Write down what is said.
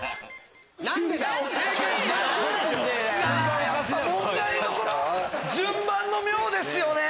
何でだよ！